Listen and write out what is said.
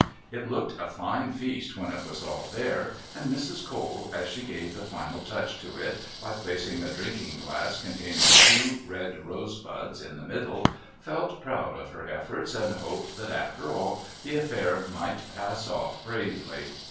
It looked a fine feast when it was all there, and Mrs. Cole, as she gave the final touch to it by placing a drinking glass containing two red rose buds in the middle, felt proud of her efforts and hoped that after all the affair might pass off bravely.